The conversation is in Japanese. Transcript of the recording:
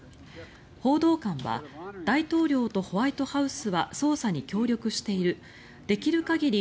報道官は大統領とホワイトハウスは捜査に協力しているできる限り